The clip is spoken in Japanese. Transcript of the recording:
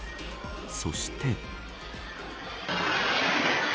そして。